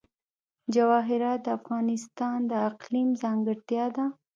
جواهرات د افغانستان د اقلیم ځانګړتیا ده.